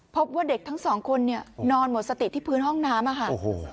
พบว่าเด็กทั้งสองคนนอนหมดสติที่พื้นห้องน้ำค่ะ